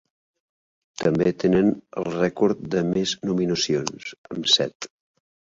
També tenen el rècord de més nominacions, amb set.